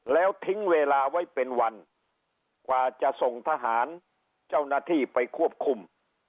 แล้วทิ้งเวลาไว้เป็นวันกว่าจะส่งทหารเจ้าหน้าที่ไปควบคุม